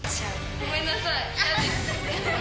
ごめんなさい。